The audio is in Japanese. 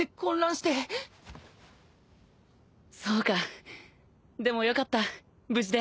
修Δでもよかった無事で。